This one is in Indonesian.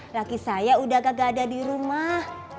kaki saya udah kagak ada di rumah